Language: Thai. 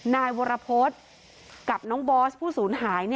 นายวรพฤษกับน้องบอสผู้ศูนย์หาย